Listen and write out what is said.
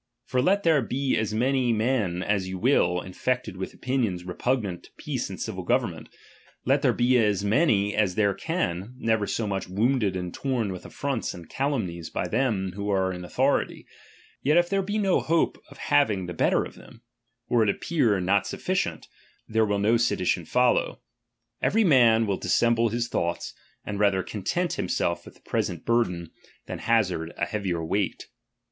For let there be as many men as you will, infected with opinions repugnant to peace and civil government ; let there be as many as there can, never so much wounded and torn w ith affronts and calumnies by them who are in authority ; yet if there be no ho^ie of having the better of them, or it appear not snfBeient, there will no sedition follow ; every man chap. xir. vrHl dissemble his thoughts, and rather content ' himself with the present burthen than hazard a heavier weight.